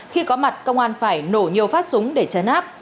khi có mặt công an phải nổ nhiều phát súng để chấn áp